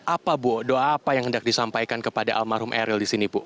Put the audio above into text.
apa bu doa apa yang hendak disampaikan kepada almarhum eril di sini bu